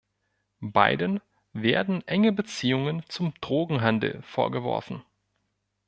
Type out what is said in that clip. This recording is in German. Beiden werden enge Beziehungen zum Drogenhandel vorgeworfen.